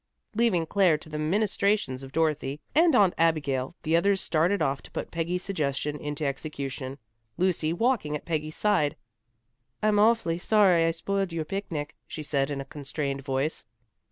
Leaving Claire to the ministrations of Dorothy and Aunt Abigail, the others started off to put Peggy's suggestion into execution, Lucy walking at Peggy's side. "I'm awfully sorry I spoiled your picnic," she said in a constrained voice.